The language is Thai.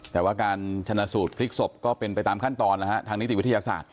แต่ว่าการชนะสูตรพลิกศพก็เป็นไปตามขั้นตอนนะฮะทางนิติวิทยาศาสตร์